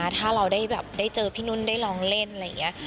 ถ้าเราได้เจอพี่นุ้นได้ลองเล่นอะไรอย่างเงี้ย